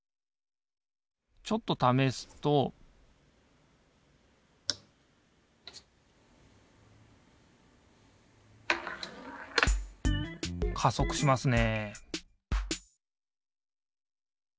ちょっとためすと加速しますね